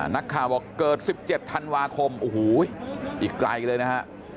นักข่าวบอกเกิด๑๗ธันวาคมโอ้โหอีกไกลเลยนะฮะ